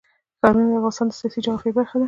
ښارونه د افغانستان د سیاسي جغرافیه برخه ده.